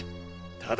ただ。